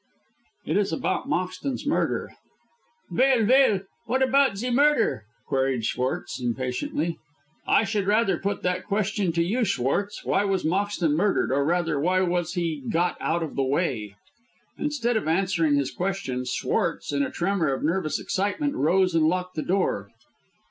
"It is about Moxton's murder." "Veil, veil, what apout ze murder?" queried Schwartz, impatiently. "I should rather put that question to you, Schwartz. Why was Moxton murdered or rather, why was he got out of the way?" Instead of answering his question, Schwartz, in a tremor of nervous excitement, rose and locked the door.